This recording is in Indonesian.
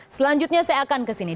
selanjutnya saya akan kesini